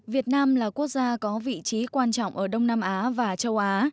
việt nam là quốc gia có vị trí quan trọng ở đông nam á và châu á